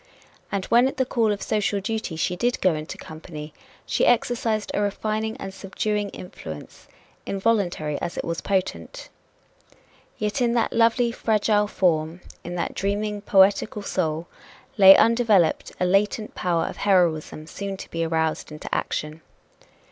And when at the call of social duty she did go into company, she exercised a refining and subduing influence, involuntary as it was potent. Yet in that lovely, fragile form, in that dreaming, poetical soul, lay undeveloped a latent power of heroism soon to be aroused into action.